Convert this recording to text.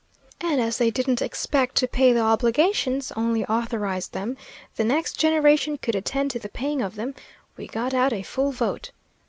And as they didn't expect to pay the obligations, only authorize them, the next generation could attend to the paying of them, we got out a full vote.